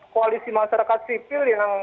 koalisi masyarakat sibil yang